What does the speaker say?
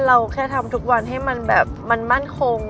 เราแค่ทำทุกวันให้มันมั่นคง